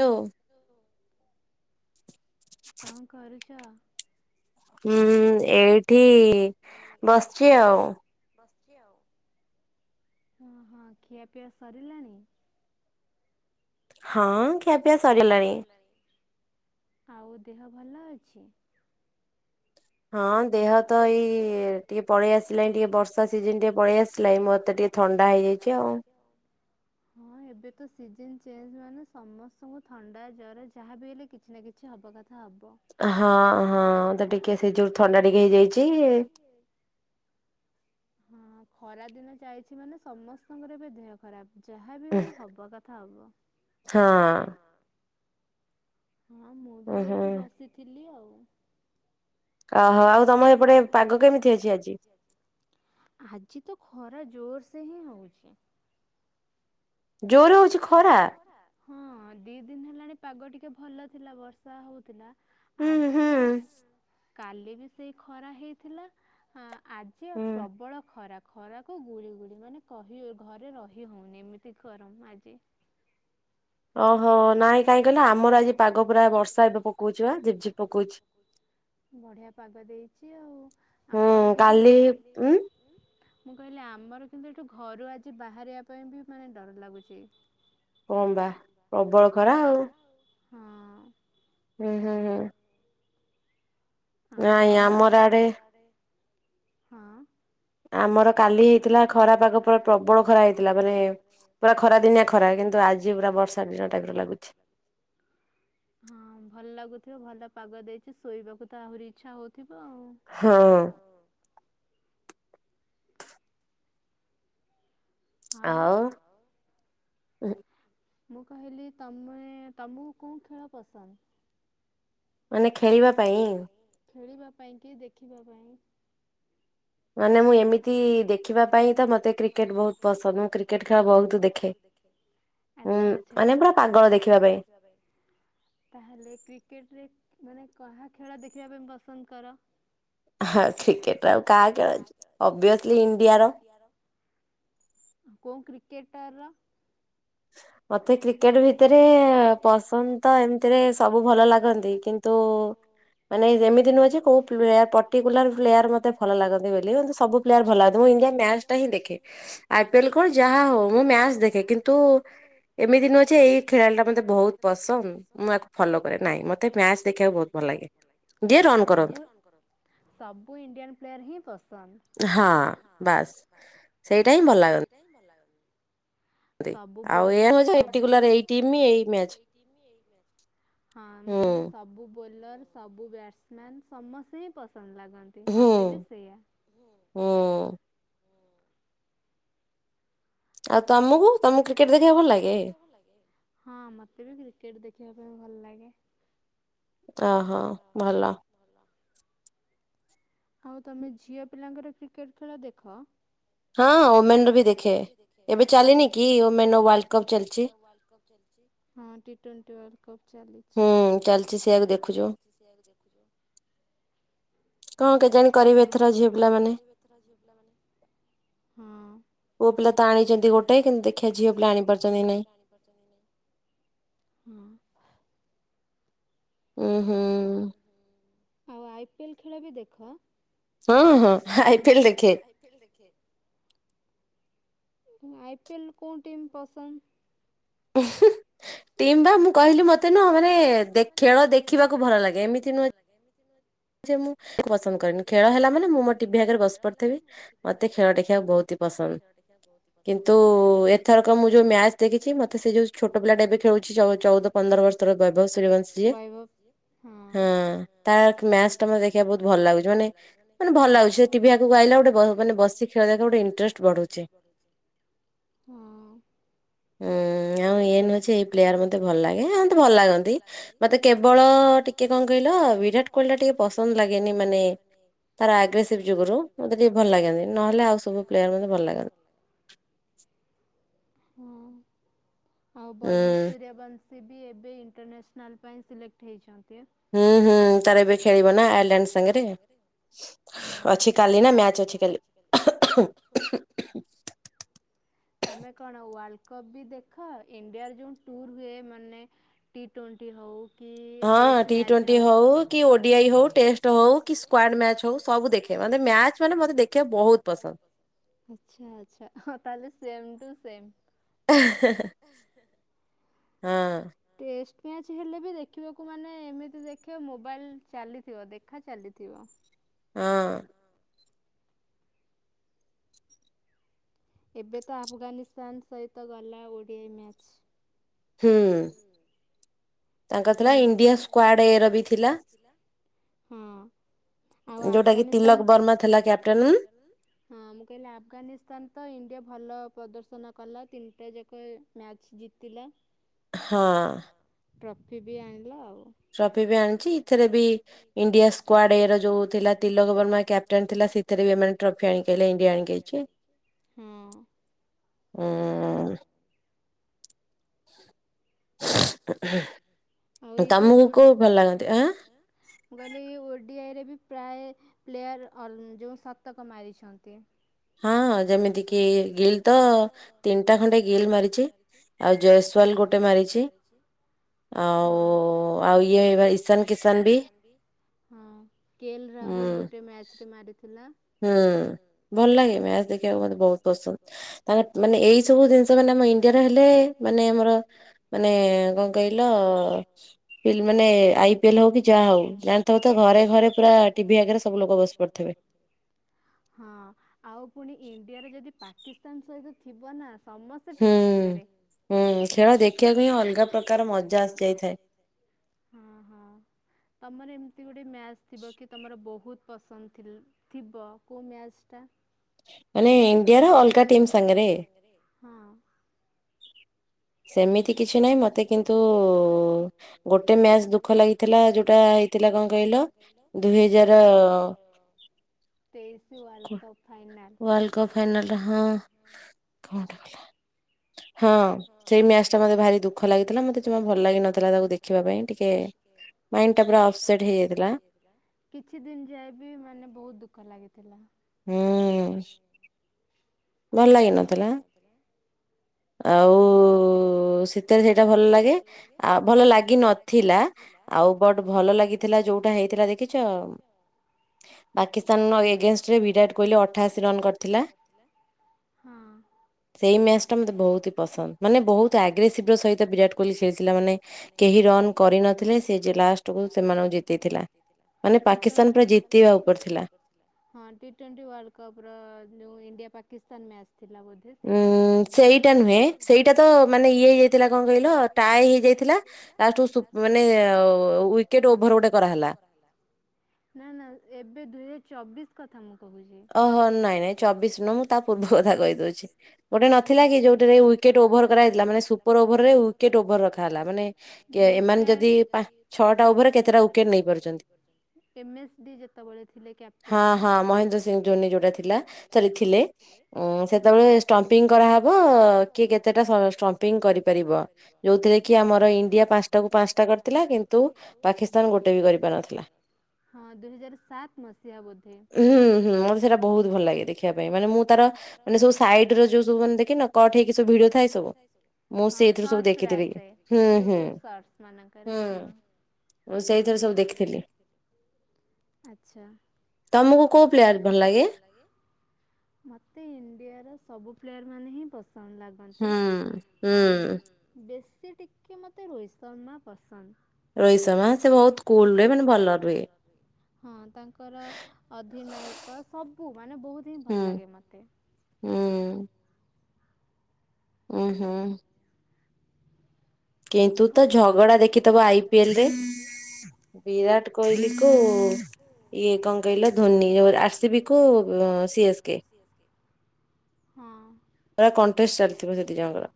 ଲୋ। ଲୋ। କଣ କରୁଚ? ହୁଁ ଏଇଠି ହୁଁ ଏଇଠି ଓହୋ ଖିଆ ପିଆ ସରିଲାଣି? ହଁ ଖିଆପିଆ ସରିଲାଣି। ଆଉ ଦେହ ଭଲ ଅଛି? ହଁ। ଦେହ ତ ଏଇ ଟିକେ ପଳେଇ ଆସିଲାଣିି ଟିକେ ବର୍ଷା ସିଜନ ଟିକେ ପଳେଇ ଆସିଲାଣି ମୋତେ ଟିକେ ଥଣ୍ଡା ହେଇଯାଇ ଥଣ୍ଡା ହେଇଯାଇଚି ଆଉ। ହଁ ଏବେ ତ ସିଜନ ଚେଞ୍ଜ ମାନେ ସମସ୍ତଙ୍କୁ ଥଣ୍ଡା ଜର ଯାହା ବି ହେଲେ କିଛି ନା କିଛି ଛି ହବା କଥା ହବ। ହଁ ହଁ ତ ଟିକେ ସେ ଯୋଉ ଥଣ୍ଡା ଟିକେ ହେଇଯାଇଚି ହଁ ଖରା ଦିନ ଯାଇଚି ମାନେ ସମସ୍ତଙ୍କର ଏବେ ଦେହ ଖରାପ ଯାହା ବି ହୋଉ ହବା କଥା ହବ। ହଁ। ହଁ ମୁଁ ବି ଏଇଠି ବସିଥିଲି ଆଉ। ଅ ହ ଆଉ ତମ ହେପଟେ ପାଗ କେମିତି ହେଇଚି ଆଜି? ଆଜି ତ ଖରା ଜୋର ସେ ହିଁ ହୋଉଚି। ହଁ ଦି ଦିନ ହେଲାଣି ପାଗ ଟିକେ ଭଲ ଥିଲା ବର୍ଷା ହୋଉଥିଲା। ଆଜି ଆଉ କାଲି ବି ସେଇ ଖରା ହେଇଥିଲା। ହଁ ଆଜି ଆଉ ପ୍ରବଳ ଖରା। ଖରାକୁ ଗୁଳୁଗୁଳି ମାନେ କହି ଘରେ ରହି ହଉନି ଏମିତି ଗରମ ଆଜି। ଓହୋ ନାଇଁ କାହିଁ କହିଲ ଆମର ଆଜି ପାଗ ପୁରା ବର୍ଷା ଏବେ ପକଉଚି ପା ଝିପ୍ ଝିପ୍ ପକୋଉଚି। ବଢିଆ ପାଗ ଦେଇଚି ଆଉ ଆମର କିନ୍ତୁ ମୁଁ କହିଲି ଆମର କିନ୍ତୁ ଏଠୁ ଘରୁ ଆଜି ବାହାରିବା ପାଇଁ ବି ମାନେ ଡର ଲାଗୁଚି। କମ୍ ବା ହଁ। ହୁଁ ହୁଁ। ଆଉ ତମ ହଁ। ଆମର କାଲି ହେଇଥିଲା ଖରା ପାଗ ପ୍ରବଳ ଖରା ହେଇଥିଲା ମାନେ ପୁରା ଖରା ଦିନିଆ ଖରା କିନ୍ତୁ ଆଜି ଜି ପୁରା ବର୍ଷା ଦିନ ଟାଇପ ଲାଗୁଛି। [inaudible] ହଁ ଭଲ ଲାଗୁଥିବ ଭଲ ପାଗ ଦେଇଛି ଶୋଇବାକୁ ତ ଆହୁରି ଇଚ୍ଛା ହଉଥିବ ଆଉ ହଁ। ଆଉ ମୁଁ କହିଲି ତମେ ତମକୁ କୋଉ ଖେଳ ପସନ୍ଦ? ମାନେ ଖେଳିବା ପାଇଁ। ଖେଳିବା ପାଇଁ କି ଦେଖିବା ପାଇଁ। ମାନେ ମୁଁ ଏମିତି ଦେଖିବା ପାଇଁ ତ ମୋତେ କ୍ରିକେଟ ବହୁତ ପସନ୍ଦ ମୁଁ କ୍ରିକେଟ ଖେଳ ବହୁତ ଦେଖେ। ଆଚ୍ଛା ଆଚ୍ଛାମାନେ ପୁରା ପାଗଳ ଦେଖିବା ପାଇଁ। ତାହେଲେ କ୍ରିକେଟରେ ମାନେ କାହା ଖେଳ ଦେଖିବା ପାଇଁ ପସନ୍ଦ କର? ହଁ କ୍ରିକେଟ ଆଉ କା ଖଳଛି। କଉ କ୍ରିକେଟର ର? ମତେ କ୍ରିକେଟ ଭିତରେ ପସନ୍ଦ ତ ଏମିତିରେ ସବୁ ଭଲ ଲାଗନ୍ତି କି ତୁ ମାନେ ଏମିତି ନୁହେଁ ଯେ କୋଉ ପ୍ଲେ ପର୍ଟିକୁଲାର ପ୍ଲେୟାର ମତେ ଭଲ ଲାଗନ୍ତି ବୋଲି ସବୁ ଭଲ ଲ ମୁଁ ଇଣ୍ଡିଆ ମ୍ୟାଚ ଟା ହିଁ ଦେଖେ ଆଇ ପିଏଲ କଣ ଯାହା ହଉ ମୁଁ ମ୍ୟାଚ ଦେଖେ କିନ୍ତୁ ଏମିତି ନୁହେଁ ଯେ ଏଇ ଖେଳାଳିଟା ମୋତେ ବହୁତ ପସନ୍ଦ ମୁଁ କୁ ଫଲୋ କରେ ନାହିଁ ମୋତେ ମ୍ୟାଚ୍ ଦେଖିବାକୁ ବହୁତ ଭଲ ଲାଗେ। ସବୁ ସବୁ ଇଣ୍ଡିଆନ୍ ପ୍ଲେୟାର ହିଁ ପସନ୍ଦ। ହଁ ବାସ୍ ସେଇଟା ହିଁ ଭଲ ସେଇଟା ହିଁ ଭଲ ସବୁ ବୋଲର ସବୁ ହଁ ମୁଁ କହିଲି ସବୁ ବୋଲର ସବୁ ବ୍ୟାଟ୍ସମ୍ୟାନ୍ ସମସ୍ତେ ହିଁ ପସନ୍ଦ ଲାଗନ୍ତି ମୋତେ ବି ସେଇୟା ହୁଁ। ଆଉ ତମୁ ଆଉ ତମୁକୁ ତମୁକୁ କ୍ରିକେଟ ଦେଖିବାକୁ ଭଲଲାଗେ ହଁ ମତେ ବି କ୍ରିକେଟ ଦେଖିବା ପାଇଁ ଭଲ ଲାଗେ। ଅହୋ ଭଲ। ଆଉ ତମେ ଝିଅ ପିଲାଙ୍କର କ୍ରିକେଟ ଖେଳ ଦେଖ? ହଁ ଓମେନ ର ବି ଦେଖେ ଏବେ ଚା ଏବେ ଚାଲିନି କି୍ ଓମେନ ର ୱର୍ଲ୍ଡ କପ୍ ଚାଲିଛି। ହଁ ଟି ଟ୍ୱେଣ୍ଟି ୱାର୍ଲଡ କପ୍ ଚାଲିଛି ଚାଲିଛି ସେଆ ଦେଖୁଛି। କଣ କ ହଁ ଜଣ କେଜାଣି କରିବେ ଏଥର ଝିଅ ପିଲାମାନେ। ହଁ ପୁଅପିଲା ତା ଆଣିଛନ୍ତି ଗୋଟେ କିମତି ଦେଖିବା ଝିଅ ପିଲ ଆଣି। ହଁ ଉୁଁ ହୁଁ ଆଉ ଆଇ ପିଏଲ ଖେଳ ବି ଦେଖ? ହଁ ହଁ ଆଇ ପିଏଲ ଦେଖେ। ଏଫିଲ ଦେଖେ। ଆଇ ପିଏଲ କୋଉ ଟିମ୍ ପସନ୍ଦ? ଉଁ ହୁଁ। ଟିମ୍ ବା ମୁଁ କହିଲି ମତେ ନୁହଁ ମାନେ ଖେଳ ଦେଖିବାକୁ ଭଲ ଲାଗେ ଏମିତି ନୁହଁ ଏମିତି ଯେ ମୁଁ ପସନ୍ଦ କରେନି, ଖେଳ ହେଲା ମାନେ ମୁଁ ମୋ ଟିଭି ଆଗରେ ବସି ପଡିଥିବି, ମତେ ଖେଳ ଦେଖିବାକୁ ବହୁତି ପସନ୍ଦ, କିନ୍ତୁ ଏଥରକ ମୁଁ ଯୋଉ ମ୍ୟାଚ ଦେଖିଛି ମତେ ଯୋଉ ଛୋଟ ପିଲା ଏବେ ଖେଳୁଚି ଚଉଦ ଚଉଦପନ୍ଦର ବର୍ଷର ବୈଭବ ସୂର୍ଯ୍ୟବଂଶୀ। ହଁ ତାର ମ୍ୟାଚ୍ ଟାମତେ ଦେଖିବାକୁ ବହୁତ ଭଲ ଲାଗୁଛି। ମାନେ, ମାନେ ଭଲ ଲାଗୁଛି ସେ ଟିଭିଆଗକୁ ଆଇଲା ଗୋଟେ ମାନେ ବସିକି ମାନେ, ବସିକି ଖେଳ ଗୋଟେ ଇନ୍ତ୍ରେଷ୍ଟ ବଢୁଛି, ହଁ। ଉଁ। ନିଅ ଏନ ଅଛି ଏଇ ପ୍ଲେୟାର ମତେ ଭଲ ଲାଗେ ଆଣ୍ଟ ମୋତେ ଭଲ ଲାଗନ୍ତି ମତେ କେବଳ ଟି କିଏ କଁ କହିଲ ବିରାଟ ବିରାଟ କୋହିଲି ଟିକେ ପସନ୍ଦ ଲାଗେନି ମାନେ ତାର ଆଗ୍ରେସିଭ ଯୋଗରୁ ମତେ ଟିକେ ଭଲ ଲାଗେନି। ନହେଲେ ଆଉ ସବୁ ପ୍ଲେୟାର ମତେ ଭଲ ଲାଗନ୍ ହୁଁ। ହଁ ବୈଭବ ସୂର୍ଯ୍ୟବଂଶୀ ବି ଏବେ ଇଣ୍ଟରନ୍ୟାସନାଲ୍ ପାଇଁ ସିଲେକ୍ଟ ହେଇଛନ୍ତି। ହୁଁ ହୁଁ ତାର ଏବେ ଖେଳିବ ନା ଆୟଲାଣ୍ଡ ସାଙ୍ଗରେ। ହୁଁ। ହୁଁ ତମେ କଣ ୱାର୍ଲଡ କପ୍ ବି ଦେଖ ଇଣ୍ଡିଆର ଯୋଉ ଟୁର୍ ହୁଏ ମାନେ ଟି ଟ୍ୱେଣ୍ଟି ହଉ କି ଟେଷ୍ଟ ମ୍ୟାଚ୍ ହଉ? ସବୁ ଦେଖେ ମତେ ମ୍ୟାଚ୍ ମାନେ ମୋତେ ଦେଖିବାକୁ ବହୁତ ପସନ୍ଦ। ଆଛା ଆଛା ହଁ ତାହେଲେ ସେମ୍ ଟୁ ସେମ୍। ହଁ। ଟେଷ୍ଟ ମ୍ୟାଚ ହେଲେ ବି ଦେଖିବାକୁ ମାନେ ଏମିତି ଦେଖିବା ମୋବାଇଲ ଚାଲିଥିବ ଦେଖା ଚାଲିଥିବ। ହଁ। ଏବେ ତ ଆଫଗାନିସ୍ତାନ ସହିତ ଗଲା ଓ ଡି ଆଇ ମ୍ୟାଚ୍। ହୁଁ ତାଙ୍କ ଥିଲା ଇଣ୍ଡିଆ ସ୍କ୍ୱାର୍ଡ ଏ ର ବି ଥିଲା। ହଁ ଆଉ ଆପଗାନିସ୍ତାନ ହଁ ମୁଁ କହିଲି ଆପଗାନିସ୍ତାନ ତ ଇଣ୍ଡିଆ ଭଲ ପ୍ରଦର୍ଶନ କଲା ତିନିଟା ଯାକ ମ୍ୟାଚ୍ ଜିତିଲା। ହଁ। ଟ୍ରଫି ବି ଆଣିଲା ଆଉ। ଟ୍ରଫି ବି ଆଣିଚି ଇଥିରେ ବି ଇଣ୍ଡିଆ ସ୍କ୍ୱାର୍ଡ ଏ ର ଯୋଉ ଥିଲା ତିଲକ ବର୍ମା କ୍ୟାପ୍ଟେନ୍ ଥିଲା ସେ ଥିରେ ବି ଏମାନେ ଟ୍ରଫି ଆଣିକି ଆଇଲେ ଇଣ୍ଡିଆ ଆଣିକି ଆଇଚି। ହୁଁ। ଉଁ ଉ଼ଁ ଆଉ ଏ ଯୋଉ ଓଲ୍ ମୁଁ କହିଲି ଓ ଡ଼ି ଆଇ ରେବି ପ୍ରାୟ ପ୍ଲେୟାର ଅଲ ଶତକ ମାରିଛନ୍ତି। ହଁ ଯେମିତି କିି ଗିଲ୍ ତ ତିନିଟା ଖଣ୍ଡେ ଗିଲ୍ ମାରିଚି। ଆଉ ଜୟସ୍ୱାଲ ଗୋଟେ ମାରିଛି। ଆଉ ଆଉ ଇଏ ବା ଇଶାନ କିସାନ ବି। ହଁ କେ ଏଲ୍ ରାହୁଲ ଗୋଟେ ମ୍ୟାଚ ରେ ମାରିଥିଲା। ହୁଁ। ଭଲ ଲାଗେ ମ୍ୟାଚ ଦେଖିବାକୁ ମତେ ବହୁତ ପସନ୍ଦ। ତାତ ମାନେ ଏଇ ସବୁ ଜିନିଷ ମାନେ ଆମ ଇନ୍ ଣ୍ଡିର ହେଲେ ମାନେ ଆମର ମାନେ କଣ କହିଲ? ପିଲମାନେ ଆଇ ପି ଏଲ ହଉ କି ଯାହା ହଉ ଜାଣିଥିବ ତ ଘରେ ଘରେ ପୁରା ଟିଭି ଆଗରେ ସବୁ ଲୋକ ବସି ପଡିଥିବେ। ହଁ ଆଉ ପୁଣି ଇଣ୍ଡିଆର ଯଦି ପାକିସ୍ତାନ ସହିତ ଥିବ ନା ସମସ୍ତେ ଟିଭିି ଆଗରେ। ହୁଁ ଖେଳ ଦେଖିବାକୁ ହିଁ ଅଲଗା ପ୍ରକାର ମଜା ଆସିଯାଇଥାଏ। ହଁ ହଁ ତମର ଏମିତି ଗୋଟେ ମ୍ୟାଚ ଥିବ କି ତମର ବହୁତ ପସନ୍ଦଥିଲ ଥିବ କୋଉମ୍ୟାଚ୍ ଟା? ମାନେ ଇଣ୍ଡିଆର ଅଲଗା ଟିମ୍ ସାଙ୍ଗରେ? ହଁ। ସେମିତି କିଛି ନାଇଁ ମତେ କିନ୍ତୁ ଗୋଟେ ମ୍ୟାଚ ଦୁଃଖ ଲାଗିଥିଲା ଯୋଉଟା ଏଇ ଥିଲା କଁ କହିଲ ଦୁଇ ହଜାର ତେଇଶ ୱାର୍ଲଡ କପ୍ ଫାଇନାଲ। କଣ୍ଟାଗଲା ହଁ। ସେଇ ମ୍ୟାଚଟା ମୋତେ ଭାରି ଦୁଃଖ ଲାଗିଥିଲା ମତେ ଜମା ଭଲ ଲାଗି ନଥିଲା ତାକୁ ଦେଖିବା ପାଇଁ ଟିକେ ମାଇଣ୍ଡଟା ପୁରା ଅପସେଟ୍ ହେଇଯାଇଥିଲା। କିଛି ଦିନ ଯାଏ ବି ମାନେ ବହୁତ ଦୁଃଖ ଲାଗିଥିଲା। ହୁଁ। ଭଲ ଲାଗି ନଥିଲା? ଆଉ ଉ ଶୀତରେ ସେଇଟା ଭଲ ଲାଗେ ଆ ଭଲ ଲାଗି ନଥିଲା ଆଉ ବଟ୍ ଭଲ ଲାଗିଥିଲା ଯୋଉଟା ହେଇଥିଲା ଦେଖିଚ? ପାକିସ୍ତାନର ଏଗେନଷ୍ଟରେ ବିରାଟ କୋହଲି ଅଠାଅଶୀ ରନ୍ କରିଥିଲା। ହଁ। ସେଇ ମ୍ୟାଚଟା ମତେ ବହୁତ ଭ୍ ବହୁତ ପସନ୍ଦ ମାନେ ବହୁତ ଆଗ୍ରେସିଭର ସହିତ ବିରାଟ କୋହଲି ଖେଳିଥିଲା ମାନେ କେହି ରନ୍ କରିନଥିଲେ ସେ ଯେ ଲାଷ୍ଟକୁ ସେମାନଙ୍କୁ ଜିତେଇଥିଲା ଟି ଟ୍ୱେଣ୍ଟି ପାକିସ୍ତାନ ପୁରା ଜିତିବା ଉପରେ ଥିଲା ହଁ ଟି ଟ୍ୱେଣ୍ଟି ୱାଲଡ କପର ଯୋଉ ଇଣ୍ଡିଆ ପାକିସ୍ତାନ ମ୍ୟାଚ ଥିଲା ବୋଧେ ଉଁ ସେଇଟା ନୁହେଁ ସେଇଟା ତ ମାନେ ଇଏ ହେଇ ଯାଇଥିଲା କଣ କହିଲ ଟାଏ ହେଇଯାଇଥିଲା ଲାଷ୍ଟକୁ ସୁକ୍ ମାନେ ଅ ୱି ୱିକେଟ ଓଭର ଗୋଟେ କରାହେଲା। ନା ନା ଏବେ ଦୁଇ ହଜାର ଚବିଶ କ ଥା ମୁଁ କହୁଚି ଓହୋ ନାଇଁ ନାଇଁ ଚବିଶି ନୁହଁ ତା ପୂର୍ବ କଥା କହୁଚି ନଥିଲା କି ଯୋଉଠି ୱିକେଟ ଓଭର କରାଯାଇଥିଲା ମାନେ ସୁପର ଓଭରରେ ୱିକେଟ ଓଭର ରଖାଗଲା ଦୁଇହଜାର ଛଅଟା ଓଭରରେ କେତେଟା ୱିକେଟ ନେଇପାରୁଚି ଏମ ଏସ ଡି ଯେତେବେଳେ ଥିଲେ କ୍ୟାପଟେନନା ହଁ ହଁ। ଧୋନି ଯୋଉଟା ଥିଲା ସରି ଥିଲେ ଅଁ ସେତେବେଳେ ଷ୍ଟମ୍ପିଙ୍ଗ କରାହବ କିଏ କେତେ? ସେଟା ସ ଷ୍ଟପିଙ୍ଗ କରିପାରିବ ଯୋଉଥିରେ କି ଆମର ଇଣ୍ଡିଆ ପାଞ୍ଚଟାକୁ ପାଞ୍ଚଟା କରିଥିଲା କିନ୍ତୁ ପାକିସ୍ତ୍ ପାକିସ୍ତାନ ଗୋଟେ ବି କରିପାରନ୍ତିନି ଦୁଇ ହଜାର ସାତ ମସିହା ବୋଧେ ହୁଁ ମୋର ସେଇଟା ବହୁତ ଭଲ ଲାଗେ ଦେଖିବା ପାଇଁ ମାନେ ମୁଁ ତାର ମାନେ ସବୁ ସାଇଡର ଯୋଉ ସବୁ ମାନେ ଦେଖିନ କଟ୍ ହେଇକି ଭିଡିଓ ଥାଏ ସବୁ ମୁଁ ସେଇଥିରୁ ସବୁ ଦେଖିଥିଲି ହୁଁ ହୁଁ ହୁଁ। ମୁଁ ସେଇଥିରେ ସବୁ ଦେଖିଥିଲି। ଆଚ୍ଛା! ତମେ ତମକୁ କୋଉ ପ୍ଲେୟାର ଭଲ ଲାଗେ ମତେ ଇଣ୍ଡିଆର ସବୁ ପ୍ଲେୟାର ମାନେ ହିଁ ପସ ହଁ ଲାଗନ୍ତି ଆଉ ବି ବେଶୀ ଟିକେ ମୋତେ ରୋହିତ ଶର୍ମା ପସନ୍ଦ। ରୋହିତର୍ଶମା ସେ ବହୁତ କୁଲରେ ମାନେ ଭଲରେ ରୁହେ। ହଁ ତାଙ୍କର ଅଧିନାୟକ ସବୁ ମାନେ ବହୁତ ହିଁ ଭଲ ଲାଗେ ମତେ। ହୁଁ। ଉୁଁ ହୁଁ। କିନ୍ତୁ ତ ଝଗଡା ଦେଖିଥବ ଆଇ ପିଏଲ ରେ ବିରାଟ କୋହଲି କୁ ଇଏ କଣ କହିଲ ଧୋନି ଆର୍ସିବି କୁ ସିଏସ୍ ହଁ ସି ଏସ କେ ହଁ ପୁରା କଣ୍ଟେଷ୍ଟ ଚାଲିଥିବ ସେ ଦି ଜଣଙ୍କର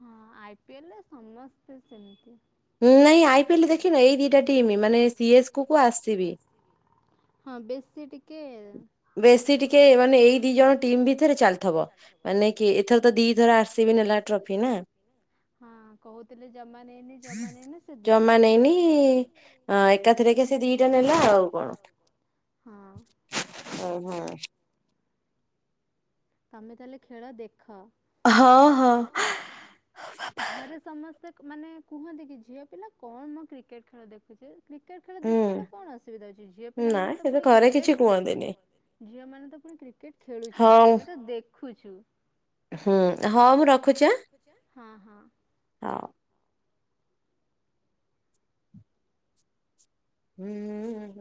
ହଁ ଆଇ ପିଏଲରେ ସମସ୍ତେ ସେମିତି ଉଁ ନାଇଁ ଆଇ ପିଏଲ ଦେଖିନ ଏଇ ଦୁଇଟା ଟିମ୍ ମାନେ ସିଏସ୍ କୁ ଆରସିବି ହଁ ବେଶୀ ଟିକେ ବେଶୀ ଟିକେ ମାନେ ଏଇ ଦି ଜଣ ଟିମ ଭିତରେ ଚାଲିଥିବ ମାନେ କି ଏଥର ତ ଦିଥର ଆରସିବି ହଁ କହୁଥିଲେ ଜମା ନେଇନି ଜମା ନେଇନି ସେ ଦିଥରରେ ରମା ନେଇନି ଆ ଏକାଥରେ କି ସେ ଦିଟା ନେଲା ଆଉ। ହଁ। ଓ ହଁ। ତମେ ତାହେଲେ ଖେଳ ଦେଖ, ହଁ ହଁ। ଘରେ ସମସ୍ତେ କ-ମାନେ କୁହନ୍ତି କି ଝିଅ ପିଲା କଣ ମ କ୍ରିକେଟ୍ ଖେଳ ଦେଖୁଚୁ କ୍ରିକେଟ ଖେଳ ଦେଖିଲେ କଣ ଅସୁବିଧା ହଉଚି ଝିଅ ପିଲାମାନେ ତ ପୁଣି କ୍ରିକେଟ୍ ଝିଅମାନେ ତ ପୁଣି କ୍ରିକେଟ୍ ଖେଳୁଚନ୍ତି। ଦେଖୁଚୁ [unintelligible] ହଁ ମୁଁ ରଖୁଛି ହାଁ। ହଁ -ହଁ। [unintelligible] ଉଁ [unintelligible]